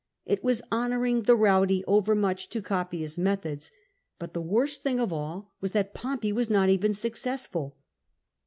It was honouring the rowdy overmuch to copy his methods. But the worst thing of all was that Pompey was not even successful.